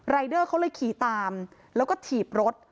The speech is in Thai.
เดอร์เขาเลยขี่ตามแล้วก็ถีบรถ